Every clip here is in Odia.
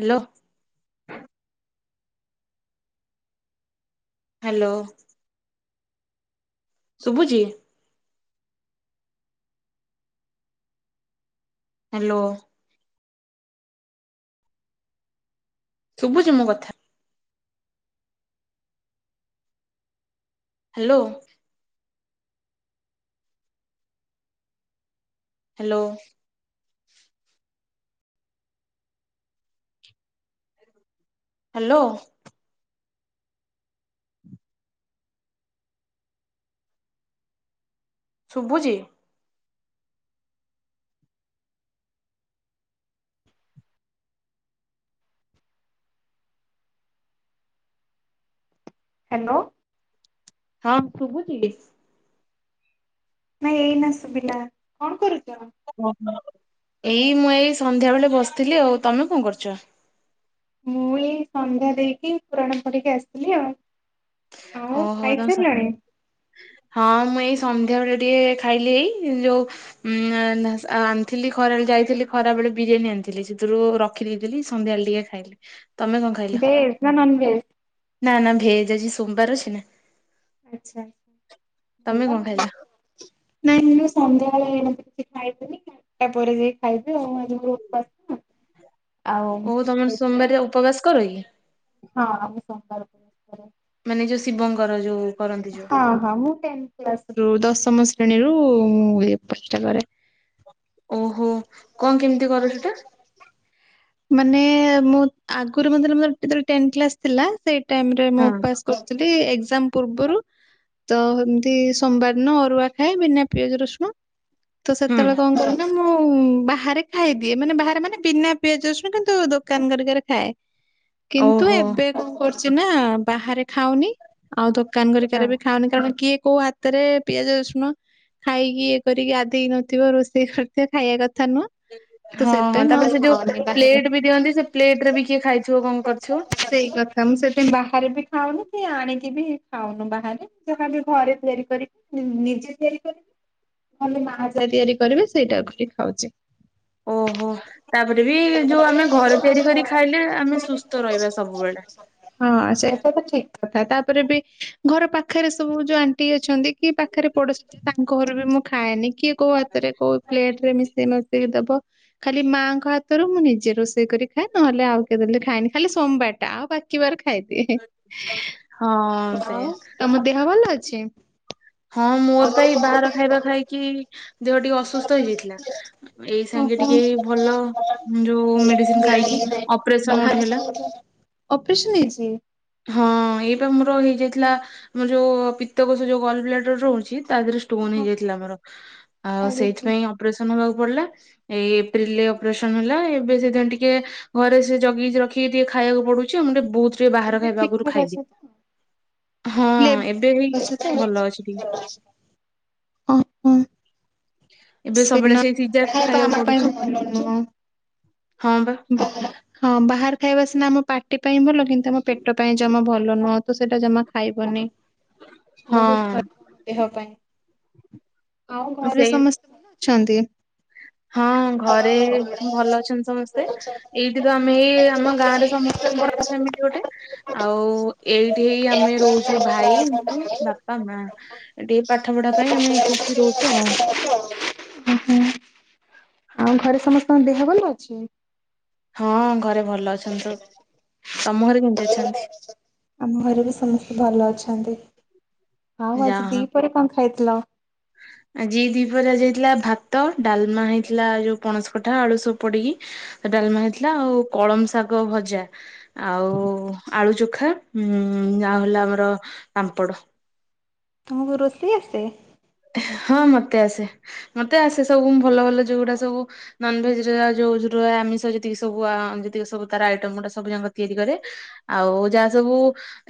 Hello hello. ଶୁବୁଚି? ହାଲୋ। ଶୁବୁଚି ମୋ କଥା? ହାଲୋ। ହାଲୋ। ହାଲୋ। ଶୁବୁଚି। ହାଲୋ। ହଁ ଶୁବୁଚି। ନାଇଁ ଏଇନା ଶୁବୁଲା। କଣ କରୁଚ? ଓହୋ ଏଇ ମୁଁ ଏଇ ସନ୍ଧ୍ୟା ବେଳେ ବସଥିଲି ଆଉ। ତମେ କଣ କରୁଚ? ମୁଁ ଏଇ ସନ୍ଧ୍ୟା ଦେଇକି, ପୁରାଣ ପଢିକି ଆସଥିଲି ଆଉ। ଆଉ ଓହୋ ତମେ ସ ଖାଇସାରିଲଣି? ହଁ ମୁଁ ଏଇ ସନ୍ଧ୍ୟା ବେଳେ ଟିକେ ଖାଇଲି ଏଇ ଯୋଉ ଉଁ ଆ [unintelligible] ଆଣଥିଲି ଖରାବେଳେ ଯାଇଥିଲି ଖରା ବେଳେ ବିରିୟାନୀ ଆଣିଥିଲି ସେଥିରୁ ର ଖିଦେଇଥିଲିି ସନ୍ଧ୍ୟାବେଳେ ଟିକେ ଖାଇଲି। ତମେ କଣ ଖାଇଲ? ଭେଜ୍ ନା ନନ୍ ଭେଜ୍? ନା ନା ଭେଜ ଅଜି ସୋମବାର ଅଛି ନା। ଆଚ୍ଛା ଛା ତମେ ଭଲ। କଣ ଖାଇଲ ନାଇଁ ମୁଁ ସନ୍ଧ୍ୟାବେଳେ [unintelligible] କିଛି ଖାଇଦେଲି। ତାପରେ ଯାଇ ଖାଇବି ଆଉ ଆଜି ମୋର ଉପାସ ନା। ଆଉ ଓ ତମେ ସେଥିପାଇଁ ସୋମବାରିଆ ଉପବାସ କର କି? ହଁ ଆମେ ସୋମବାର କ ମାନେ ଯୋଉ ଶିବଙ୍କର ଯୋଉ କରନ୍ତି ଯୋଉ ହଁ ହଁ ମୁଁ ଟେନ୍ କ୍ଲାସରୁ ଦଶମ ଶ୍ରେଣୀରୁ ମୁଁ ଏ ଉପାସଟା କରେ। ଓହୋ କଣ କେମିତି କର ସେଟା? ମାନେ ମୁଁ ଆଗରୁ ମାନେ ଯେତେଳେ ମୋର ଯେତେଳେ ଟେନ୍ କ୍ଲାସ୍ ଥିଲା ସେଇ ଟାଇମ୍ ରେ ମୁଁ ଉପାସ କ ଏକ୍ଟୁଆଲି ଏଜାମ ପୂର୍ବରୁ। ତ ଏମିତି ସୋମବାର ଦିନ ଅରୁଆ ଖାଏ, ବିନା ପିଆଜ ରସୁଣ। ତ ହୁଁ ସେତେଳେ କଣ କରୁ ନା ମୁଁ ବାହାରେ ଖାଇଦିଏ ମାନେ ବାହାରେ ମାନେ ବିନା ପିଆଜ ରସୁଣ କିନ୍ତୁ ଦୋକାନ ହେରିକରେ ଖାଏ, କିନ୍ତୁ ଓହୋ ଏବେ କଣ କରୁଚି ନା ବାହାରେ ଖାଉନି। ଆଉ ଦୋକାନ ହଁ ଗରିକାରେ ବି ଖାଉନି କାରଣ କିଏ କୋଉ ହା ତରେ ପିଆଜ ରସୁଣ ଖାଇକି ଇଏ କରିକି ଆଧେଇ ନଥିବ ରୋଷେଇ କରିଥିବ ଖାଇଆ କଥା ନୁହଁ। ତ ହଁ ହଁ ସେଥିପାଇଁ ମୁଁ ତାପରେ ସେ ଆଉ ଯୋଉ ଖାଉନି ବାହାରେ। ପ୍ଲେଟ ବି ଦିଅନ୍ତି ସେ ପ୍ଲେଟ ରେ ବି କିଏ ଖାଇଥିବ କଣ କରିଥିବ? ସେଇ କଥା ମୁଁ ସେଥିାଇଁ ବାହାରେ ବି ଖାଉନି କି ଆଣିକି ବି ଖାଉନୁ ବାହାରେ ଯାହା ବି ଘରେ ତିଆରି କରି ନିଜେ ତିଆରି କରିବି ଖଲି ମା ଯାହା ତିଆରି କରିବେ ସେଇଟାକୁ ଟିକେ ଖାଉଚି। ଓହୋ ତାପରେ ବି ଯୋଉ ଆମେ ଘରେ ତିଆରି କରି ଖାଇଲେ ଆମେ ସୁସ୍ଥ ରହିବା ସବୁବେଳେ। ହଁ ସେଇଟା ତ ଠିକ କଥା। ତାପରେ ବି ଘର ପାଖରେ ସବୁ ଯୋଉ ଆଣ୍ଟି ଅଛନ୍ତି କି ପାଖରେ ପଡୋଶି ଯିଏ ତାଙ୍କ ଘରେ ବି ମୁଁ ଖାଏନି କିଏ କୋଉ ହାତରେ କୋଉ ପ୍ଲେଟ ରେ ମିଶେଇ ନ ଦବ। ଖାଲି ମାଙ୍କ ହା ତରେ ମୁଁ ନିଜେ ରୋଷେଇ କରି ଖାଏ ନହେଲେ ଆଉ କେ ଦେଲେ ଖାଏନି ଖାଲି ସୋମବଟା ଆଉ ବା କିବାରେ ଖାଇଦିଏ। ହଁ ସେଇଆ ଆଉ ତମ ଦେହ ଭଲ ଅଛି? ହଁ ମୋର ପା ବାହାର ଖାଇବା ଖାଇକି ଦେହ ଟିକେ ଅସୁସ୍ଥ ହେଇଯାଇଥିଲା। ଏଇ ସାଙ୍ଗେ ଟିକେ ଏଇ ଭଲ। ଯୋଉ ମେଡିସିନ ଖାଇକି ଅପରେସନ ଗୋଟେ ହେଲା। ଅଫିସି ନେଇଚି। ହଁ ଏଇପା ମୋର ହେଇ ଯାଇଥିଲା। ଏ ଯୋଉ ପିତ୍ତକୋଷ ଯୋଉ ଗଲ ବ୍ଲାଡର ରହୁଛି ତା ଦେହରେ ଷ୍ଟୋନ ହେଇଯାଇଥିଲା ତାର। ଆ ସେଇଥିପାଇ ଅପରେସନ ହବାକୁ ପଡିଲା। ଏଇ ଏପ୍ରିଲ ରେ ଅପରେସନ ହେଲା ଏବେ ସେଥି ପାଇଁ ଟିକେ ଘରେ ସେ ଜଗିକି ଜଖି କି ଟିକେ ଖାଇବାକୁ ପଡୁଛି ଆଉ। ମୁଁ ଟିକେ ବହୁତୁ ଟିକେ ବାହାର ଏବେ ଖାଇବା ଠିକ ଆଗରୁ ଖାଇଦିଏ। ହଁ ଏବେ ହେଇ ପ୍ଲେମେ। ଭଲ ଅଛି ଟିକେ ଓହୋ। ଏବେ ସେ ସବୁବେଳେ ନ ସେଇ ସିଜା ଖାଇବା ଖାଇବାକୁ ଆମ ପାଇଁ ପଡୁଛି। ହଁ ବା। ହ ହଁ ବାହାର ଖାଇବା ସିନା ଆମ ପାଟି ପାଇଁ ଭଲ। କିନ୍ତୁ ଆମ ପେଟ ପାଇଁ ଜମା ଭଲ ନୁହଁ ତୁ ସେଇଟା ଜମା ଖାଇବନି। ହ ବହୁତୁ ଖରାପ ଦେହ ପାଇଁ। ଆଉ ଘରେ ସେଇ ସମସ୍ତେ ଅଛନ୍ତି। ହଁ ଘରେ ଭଲ ଅଛନ୍ତି ସମସ୍ତେ। ତେ। ଓହୋ ଏଇଠି ତ ଆମେ ଏଇ ଆମ ଗାଁରେ ସମସ୍ତେ ବଡ ପ୍ୟାମିଲି ଗୋଟେ। ଆଉ ଏଇଠି ହେଇ ଆମେ ରହୁଛୁ ଭାଇ ମୁଁ ବାପା ମା। ଏଟିକି ପାଟେ ପାଠ ପଢା ପାଇଁ ଆମେ ଏଠି ଆସି ରହୁଛୁ ଆଉ। ଉଁ ହୁଁ। ଆଉ ଘରେ ସମସ୍ତଙ୍କ ଦେହ ଭଲ ଅଛି। ହଁ ଘରେ ଭଲ ଅଛନ୍ତି ସବୁ। ତମ ଘରେ କେମିତି ଅଛନ୍ତି? ଆମ ଘରେ ବି ସମସ୍ତେ ଭଲ ଅଛନ୍ତି। ଆଉ ଯା ଆଜି ହଁ। ଦି ପହରେ କ ଖାଇ ଥିଲ? ଆଜି ଦି ପହରେ ଆଜି ହେଇଥିଲା। ଭାତ, ଡାଲମା ହେଇଥିଲା ଯୋଉ ପଣସ କଠା ଆଳୁ ସବୁ ପଡିକି। ଭାତ ଡାଲମା ହେଇଥିଲା। ଆଉ କଳମ ଶାଗ ଭଜା। ଆଉ ଆଳୁ ଚୋଖା ଉ ଆଉ ହେଲା ଆମର ପାମ୍ପଡ଼। ତୁମକୁ ରୋଷେଇ ଆସେ? ହଁ ମତେ ଆସେ। ମତେ ଆସେ ସବୁ ଭଲ ଭଲ ଯୋଉଗୁଡା ସବୁ ନନଭେଜ ଯଉ ଆମିଷ ଯେତିକି ସବୁ ଆ ଯେତିକି ସବୁ ତାର ଆଇଟମ ଗୁଟା ସବୁ ଯାକ ତିଆରି କରେ ଆଉ ଯାହା ସବୁ।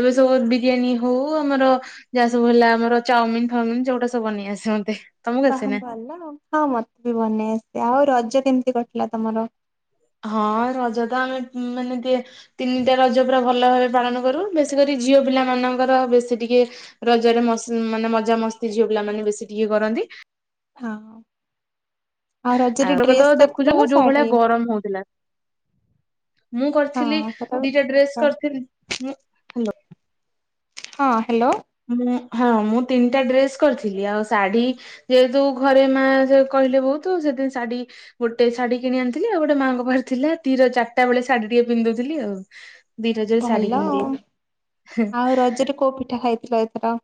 ଏବେ ସବୁ ବିରିୟାନୀ ହଉ ଆମର ଯାହା ସବୁ ହେଲା ଆମର ଚାଉମିନ ଫାଓମିନି ଯୋଉଗୁଡା ସବୁ ସବୁ ବନେଇ ଆସେ ମତେ। ବାହା ଭଲ ଆଉ। ହଁ ମତେ ବି ବନେଇ ଆସେ ଆଉ ରଜ କେମିତି କଟିଲା ତମର? ହଁ ରଜ ଟା ଆମେ ମାନେ ଦିଏ ତିନିଟା ରଜ ପୁରା ଭଲ ଭାବେ ପାଳନ କରୁ। ବେଶୀ କରି ଝିଅ ପିଲା ମାନଙ୍କର ବେଶୀ ଟିକେ ରଜରେ ମସ ମଜା ମସ୍ତି ଝିଅ ପିଲାମାନେ ବେଶୀ ଟିକେ କରନ୍ତି। ହଁ। ରଜରେ ଆଉ ଆଗ ତ ଡ୍ରେସ୍ ଦେଖୁଚ କରିଥିଲ ନା ଯୋଉ ଭଳିଆ ଶାଢୀ? ଗରମ ହଉଥିଲା। ମୁଁ ହଁ କରିଥିଲି ସେଟା ବି ଦିଟା ସତ ଡ୍ରେସ କଥା କରିଥିଲି। ହାଲୋ। ହଁ ହ୍ୟାଲୋ। ମୁଁ ହଁ ମୁଁ ତିନିଟା ଡ୍ରେସ କରିଥିଲି ଆଉ ଶାଢ଼ୀ ଯେହେତୁ ଘରେ ମା ଯେ କହିଲେ ବୋହୁତୁ ସେଥି ଶାଢୀ ଗୋଟେ ଶାଢୀ କିଣି ଆଣିଥିଲି ଆଉ ଗୋଟେ ମାଆଙ୍କ ପାଖରେ ଥିଲା ତିର ଚାରିଟା ବେଳେ ଶାଢୀ ଟିକେ ପିନ୍ଧୁ ଦଉଥିଲି ଆଉ। ଦିଟା ଯଉ ଶାଢ଼ୀ ଭଲ ପିନ୍ଧି ଆଉ। ଦେଇ। ହେଁ ଆଉ ରଜରେ କୋଉ ପିଠା ଖାଇଥିଲ ଏଥର? କୋ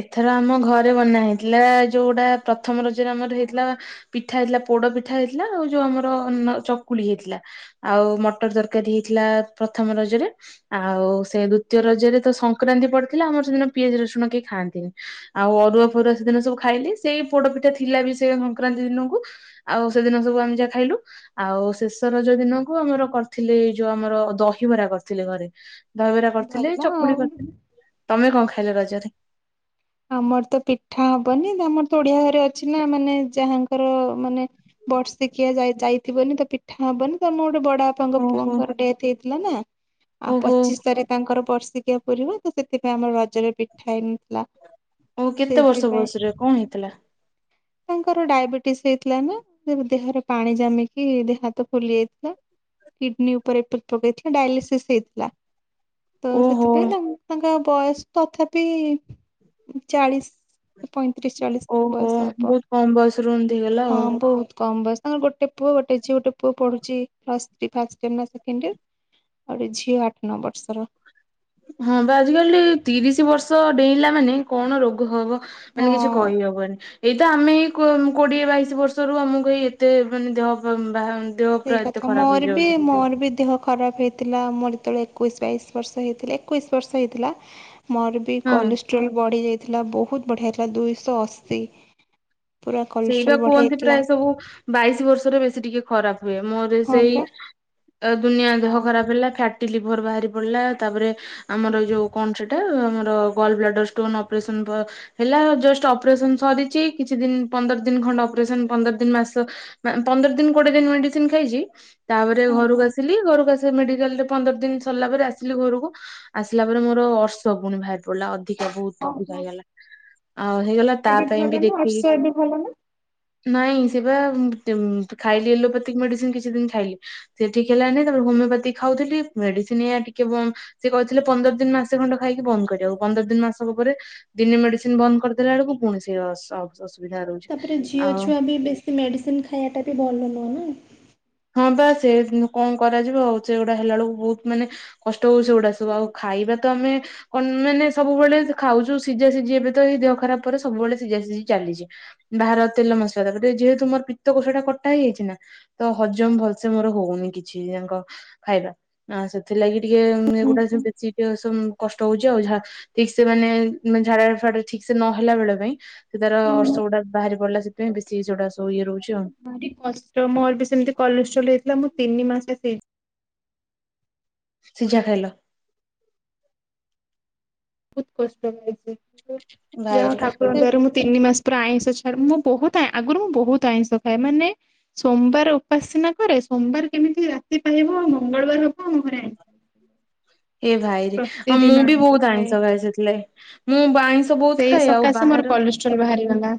ଏଥର ଆମ ଘରେ ବନା ହେଇଥିଲା ଯୋଉଟା ପ୍ରଥମ ରଜରେ ଆମର ହେଇଥିଲା ପିଠା ହେଇଥିଲା ପୋଡ ପିଠା ହେଇଥିଲା ଆଉ ଯୋଉ ଆମର ନ ଚକୁଳି ହେଇଥିଲା। ଆଉ ମଟର ତରକାରୀ ହେଇଥିଲା ପ୍ରଥମ ରଜରେ। ଆଉ ସେ ଦ୍ଵିତୀୟ ରଜରେ ତ ସଂକ୍ରାନ୍ତି ପଡିଥିଲା ଆମର ସେଦିନ ପିଆଜ ରସୁଣ କେ ଖାଆନ୍ତିନି ଆଉ ଅରୁଆ ଫରୁଆ ସେଦିନ ସବୁ ଖାଇଲି ସେଇ ପୋଡ ପିଠା ଥିଲା ବି ସେ ସଂକ୍ରାନ୍ତି ଦିନକୁ ଆଉ ସେଦିନ ସବୁ ଆମେ ଯାହା ଖାଇଲୁ ଆଉ ଶେଷ ରଜ ଦିନକୁ ଆମର କରିଥିଲେ ଏଇ ଯୋଉ ଆମର ଦହିବରା କରିଥିଲେ ଘରେ। ଦହିବରା କରିଥିଲେ, ଭଲ ଆଉ। ଚକୁଳି କରିଥିଲେ, ତମେ କଣ ଖାଇଲ ରଜରେ? ଆମର ତ ପିଠା ହବନି ଆମର ତ ଓଡିଆ ଘରେ ଅଛି ନା ମାନେ ଯାହାଙ୍କର ମାନେ ବର୍ଷିକିଆ ଯାଇଥିବନି ତ ପିଠା ହବନି ତ ମୋ ଗୋଟେ ବଡା ବାପାଙ୍କ ଓହୋ ପୁଅଙ୍କର ଡେଥ ହେଇଥିଲା ନା ଆଉ ଓହୋ ପଚିଶ ତାରେ ତାଙ୍କର ବର୍ସିକିଆ ପୁରିବ ତ ସେଥିପାଇଁ ଆମର ରଜରେ ପିଠା ହେଇନଥିଲା ଓ କେତେ ବର୍ଷ ସେଇଥିପାଇଁ ବୟସର କଣ ହେଇଥିଲା? ତାଙ୍କର ଡାଇବେଟିଶ୍ ହେଇଥିଲା ନା ଦେହରେ ପାଣି ଜମିକି ଦେହ ହାତ ଫୁଲି ଯାଇଥିଲା। କିଡନୀ ଉପରେ ଇଫେକ୍ଟ ପକେଇଥିଲା ଡାଇଲିସିସ୍ ହେଇଥିଲା ତ ଓହୋ ସେଥି ପାଇଁ ତାଙ୍କ ତାଙ୍କ ବୟସ ତଥାପି ଚାଳିଶ ପଇଁତିରିଶ ଚାଳିଶ ଓହୋ ବୟସ ହବ ବହୁତ କମ ବୟସରୁ ଏମିତି ହେଇଗଲା ହଁ ଆଉ। ବହୁତ କମ୍ ବୟସ। ତାଙ୍କର ଗୋଟେ ପୁଅ ଗୋଟେ ଝିଅ ଗୋଟେ ପୁଅ ପଢୁଛି ପ୍ଲସ ଥ୍ରି ଫାଷ୍ଟ ଇଅର୍। ଆଉ ଗୋଟେ ଝିଅ ଆଠ ନଅ ବର୍ଷର। ହଁ ବା ଆଜିକାଲି ତିରିଶ ବର୍ଷ ଡେଇଁଲା ମାନେ କଣ ରୋଗ ହବ ମାନେ ହଁ କିଛି କହିହବନି। ଏଇତ ଆମେ ଏଇ କୋ କୋଡିଏ ବାଇଶି ବର୍ଷରୁ ଆମକୁ ଏଇ ଏତେ ମାନେ ଦେହ ବା ଦେହ ସେଇ ପୁରା ଏତେ କଥା ଖରାପ ମୋର ବି ହେଇଯାଉଛି ମୋର ବି ଦେହ ଖରାପ ହେଇ ଥିଲା ମୋ ଯେତେବେଳେ ଏକୋଇଶି ବାଇଶି ବର୍ଷ ହେଇଥିଲା ଏକୋଇଶ ବର୍ଷ ହେଇଥିଲା ମୋର ବି ହଁ କଲେଷ୍ଟ୍ରୋଲ ବଢି ଯାଇଥିଲା ବହୁତ ବଢିଆ ଥିଲା ଦୁଇଶ ଅଶୀ। ପୁରା ସେଇ ବା କୋଲେଷ୍ଟ୍ରୋଲ ବଢି କୁହନ୍ତି ଯାଇଥିଲା ପ୍ରାୟ ସବୁ ବାଇଶି ବର୍ଷରେ ବେଶୀ ଟିକେ ଖରାପ ହୁଏ ମୋର ହଁ ସେଇ ପରା। ଦୁନିଆ ଦେହ ହଁ ଖରାପ ହେଲା ଫ୍ୟା ଫ୍ୟାଟି ଲିଭର୍ ବାହାରି ପଡ଼ିଲା ତାପରେ ଆମର ଯୋଉ କଣ ସେଟା ଆମର ଗଲ ବ୍ଲାଡର ଷ୍ଟୋନ ଅପରେସନ ପ ହେଲା ଜଷ୍ଟ ଅପରେସନ ସରିଚି କିଛି ଦିନ୍ ପନ୍ଦର ଦିନ ଖଣ୍ଡ ଅପରେସନ ପନ୍ଦର ଦିନ, ମାସ, ପନ୍ଦର ଦିନ, କୋଡିଏ ଦିନ ମେଡିସିନ ଖାଇଚି ତାପରେ ଘରକୁ ହଁ। ଆସିଲି ଘରକୁ ଆସିଲେ ମେଡିକାଲ ରେ ପନ୍ଦର ଦିନ ସରିଲା ପରେ ଆସିଲି ଘରକୁ ଆସିଲା ପରେ ମୋର ଅର୍ଷ ପୁଣି ବାହାରି ପୁଲା ଅଧିକା ବହୁତ ଅଧିକା ଓହୋ ହେଇଗଲା ଆଉ ହେଇଗଲା ତା ପାଇଁ ବି ଦେଖିକି ଭଲନା ନାଇଁ ସେ ବା ମୁଁ ଖାଇଲି ଏଲୋପାତିକ ମେଡିସିନ କିଛି ଦିନ ଖାଇଲି। ସେ ଠିକ୍ ହେଲାନି ତାପରେ ହୋମିଓପାଥି ଖାଉଥିଲି ମେଡିସିନି ଆ ଟିକେ ବନ୍ଦ ସେ କହିଥିଲେ ପନ୍ଦର ଦିନ, ମାସେ ଖଣ୍ଡ ଖାଇକି ବନ୍ଦ କରିବାକୁ ପନ୍ଦର ଦିନ, ମାସକ ପରେ ଦିନେ ମେଡିସିନ ବନ୍ଦ କରିଦେଲା ବେଳକୁ ପୁଣି ସେ ଅର୍ଶ [unintelligible] ତାପରେ ଝିଅ ଛୁଆ ବି ବେଶୀ ମେଡ଼ିସିନ ଖାଇବାଟା ବି ଭଲ ନୁହଁ ନା ହଁ ବା ସେ କଣ କରାଯିବ ଆଉ ସେଗୁଡା ହେଲା ବେଳକୁ ବହୁତ ମାନେ କଷ୍ଟ ହଉଚି ସେଗୁଡା ସବୁ ଆଉ ଖାଇବା ତ ଆମେ କଣ ମାନେ ସବୁବେଳେ ଖାଉଛୁ ସିଝା ସିଝି ଏବେ ତ ଏଇ ଦେହ ଖରାପ ପରେ ସବୁବେଳେ ସିଝା ସିଝି ଚାଲିଛି। ବାହାର ତେଲ ମସଲା ତା ଟେ ଯେହେତୁ ମୋର ପିତ୍ତକୋଷଟା କଟା ହେଇଯାଇଛି ନା ତ ହଜମ ଭଲସେ ମୋର ହଉନି କିଛି ତାଙ୍କ ଖାଇବା ଆ ସେଥିଲାଗି ଟିକେ ଏଗୁଡା ସେିଏ ଟେ ସବୁ କଷ୍ଟ ହଉଛି ଆଉ ଯାହା ଠିକ୍ ସେ ମାନେ ଝାଡା, ଫାଡା ଠିକ୍ ସେ ନ ହେଲା ବେଳେ ପାଇଁ ସେତାର ହୁଁ ହୁଁ, ଅର୍ଷ ଗୁଡ଼ା ବାହାରି ପଡିଲା ସେଥିପାଇଁ ବେଶୀ ସେଗୁଡା ସବୁ ଇଏ ରହୁଛି ଆଉ ଭାରି କଷ୍ଟ ମୋର ବି ସେମିତି କଲେଷ୍ଟଲ ହେଇଥିଲା ମୁଁ ତିନି ମାସ ସେ ସିଝା ଖାଇଲ? ବୋହୁତ କଷ୍ଟ ପାଇଚି ଯାହାହୋଉ ଭାଇରେ ଠକୁରଙ୍କ ଦୟାରୁ ମୁଁ ତିନି ମାସ ପୁରା ଆଇଁଷ ଛାଡି ମୁଁ ବୋହୁତ ଆଗରୁ ମୁଁ ବୋହୁତ ଆଇଁଷ ଖାଏ ମାନେ ସୋମବାରେ ଉପାସ ସିନା କରେ ସୋମବାର କେମିତି ରାତି ପାହିବ ମଙ୍ଗଳବାର ହବ ଆମ ଘରେ ଆଇଁଷ। ଏ ଭାଇରେ ଆଉ ମୁଁ ବି ବୋହୁତ ଆଇଁଷ ଖାଏ ସେଥିଲାଗି। ମୁଁ ଆଇଁଷ ବୋହୁତ ସେଇ ଖାଏ ଆଉ ସକାଶେ ବାହାର [unintelligible] ବାହାରିଗଲା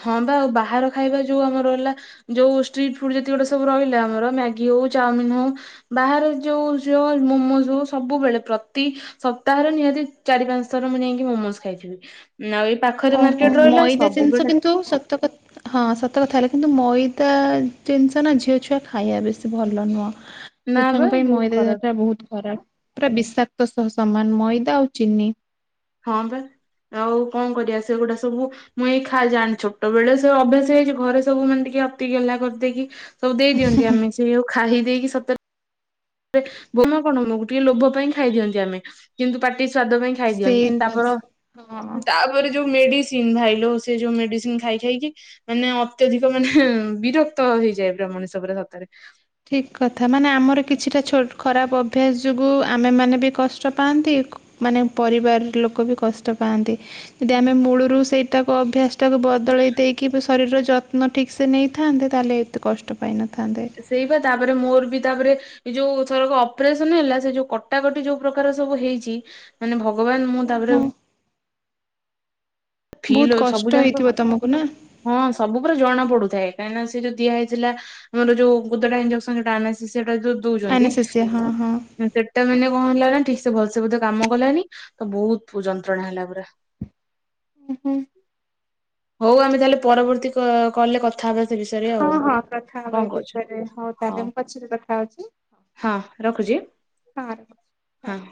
ହଁ ବା ଆଉ ବାହାର ଖାଇବା ଯୋଉ ଆମର ହେଲା ଯୋଉଷ୍ଟିଟ୍ ଫୁଡ ଯେତିକ ଗୋଟେ ସବୁ ରହିଲା ଆମର ମ୍ୟାଗି ହୋଉ ଚାଓମିନ ହୋଉ ବାହାରୁ ଯୋଉ ଯୋଉ ମୋମୋଜ ହୋଉ ସବୁବେଳେ ପ୍ରତି ସପ୍ତାହରେ ନିହାତି ଚାରି ପାଞ୍ଚ ଥର ମୁଁ ଯାଇକି ମୋମୋଶ୍ ଖାଇଥିବି। ନାଁ ଆଉ ଏଇ ପାଖରେ ମାର୍କେଟ ରହିଲା ସବୁବେଳେ ତ ସତକ ହଁ ସତ କଥା ହେଲା କିନ୍ତୁ ମଇଦା ଜିନିଷ ନା ଝିଅ ଛୁଆ ଖାଇବା ବେଶୀ ଭଲ ନୁହଁ। ନା ଝିଅ ବା ଛୁଆଙ୍କ ପାଇଁ ବହୁତ ମଇଦା ଖରାପ। ଟା ବୋହୁତ ଖରାପ ପୁରା ବିଷାକ୍ତ ସହ ସମାନ ମଇଦା ଆଉ ଚିନି। ହଁ ବା ଆଉ କଣ କରିବା ସେଗୁଡା ସବୁ ମୁଁ ଏଇ ଖା ଜାଣି ଛୋଟ ବେଳେ ସେ ଅଭ୍ୟାସ ହେଇଛି ଘରେ ସବୁ ମାନେ ଟିକେ ଅତି ଗେଲା କରିଦେଇକି ସବୁ ଦେଇ ଦିଅନ୍ତି ଆମେ ସେଇ ଆଉ ଖାଇ ଦେଇକି ସତରେ ବୋମା କଣ ମୋମକୁ ଟିକେ ଲୋଭ ପାଇଁ ଖାଇ ଦିଅନ୍ତି ଆମେ କିନ୍ତୁ ପାଟି ସ୍ଵାଦ ପାଇଁ ସେଇ ଖାଇଦିଅନ୍ତି କିନ୍ତୁ ତାପର ହଁ। ତା ତାରେ ଯୋଉ ମେଡିସିନ ଭାଇଲୋ ସେ ଯୋଉ ମେଡିସିନ ଖାଇ ଖାଇକି ମାନେ ଅତ୍ୟଧିକ ମାନେ ବିରକ୍ତ ହେଇଯାଏ ପୁରା ମଣିଷ ପୁରା ସତରେ ଠିକ କଥା ମାନେ ଆମର କିଛିଟା ଛୋଟ ଖରାପ ଅଭ୍ୟାସ ଯୋଗୁଁ ଆମେମାନେ ବି କଷ୍ଟ ପାଆନ୍ତି। ମାନେ ପରିବାର ଲୋକ ବି କଷ୍ଟ ପାଆନ୍ତି ଯଦି ଆମେ ମୂ ଳୁରୁ ସେଇଟାକୁ ଅଭ୍ୟାସ ସେଟାକୁ ବଦଳେଇ ଦେଇକି ଶରୀରର ଯତ୍ନ ଠିକ ସେ ନେଇଥାନ୍ତେ ତାଲେ ଏତେ କଷ୍ଟ ପାଇନଥାନ୍ତେ। ସେଇ ବା ତାପରେ ମୋର ବି ତାପରେ ଏ ଯୋଉ ଥରକ ଅପରେସନ ହେଲା ସେ ଯୋଉ କଟାକଟି ଯୋଉ ପ୍ରକାର ସବୁ ହେଇଚି। ମାନେ ଭଗବାନ ମୁଁ ତାପରେ ଓହୋ। ଫିଲ୍ ବୋହୁତ ସବୁ କଷ୍ଟ ଯାକ ହେଇଥିବ ତମକୁ ନା? ହଁ ସବୁ ପୁରା ଜଣା ପଡୁଥାଏ କାହିଁକିନା ସେ ଯୋଉ ଦିଆ ହେଇଥିଲା ଆମର ଯୋଉ ଗୋଦଡା ଇଞ୍ଜେକସନ ଯୋଉ ଆନା ସେଶିଆ ଯୋଉ ଦୋଉଚନ୍ତି ଆନାସେସିଆ ହଁ ହଁ। ସେଟା ମାନେ କଣ ହେଲା ନା ଠିକ ସେ ଭଲସେ ବୋଧେ କାମ କଲାନି ତ ବୋହୁତ ଯନ୍ତ୍ରଣା ହେଲା ପୁରା। ଉଁ ହୁଁ। ହୋଉ ଆମେ ତାଲେ ପରବର୍ତ୍ତୀ କଲରେ କଥା ହବା ସେ ବିଷୟରେ ହଁ ଆଉ। ହଁ କଥା ହବା କଣ ଏଇ କହୁଛ ବିଷୟରେ ହଉ ତାଲେ ମୁଁ ପଛରେ କଥା ହୋଉଚି। ରଖୁଚି ରଖୁଛି ଟା ହଁ। ଟା।